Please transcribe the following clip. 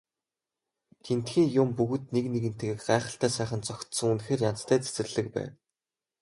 Тэндхийн юм бүгд нэг нэгэнтэйгээ гайхалтай сайхан зохицсон үнэхээр янзтай цэцэрлэг байв.